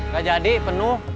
gak jadi penuh